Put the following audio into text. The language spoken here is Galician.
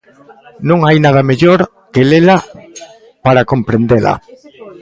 Non hai nada mellor que lela para comprendela.